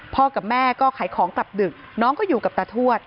กับแม่ก็ขายของกลับดึกน้องก็อยู่กับตาทวด